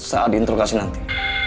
saat di intro kasih nanti